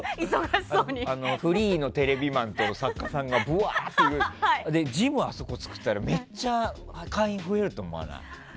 フリーのテレビマンと作家さんがぶわっといてジムをあそこに作ったらめっちゃ会員増えると思わない？